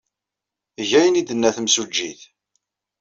Eg ayen ay d-tenna temsujjit.